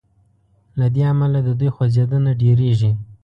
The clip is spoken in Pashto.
له دې امله د دوی خوځیدنه ډیریږي.